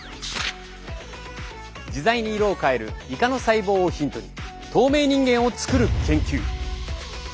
自在に色を変えるイカの細胞をヒントに透明人間を作る研究。